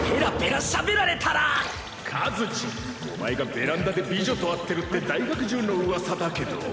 カズちんお前がベランダで美女と会ってるって大学中の噂だけど？